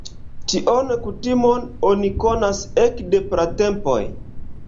Tion kutimon oni konas ekde pratempoj.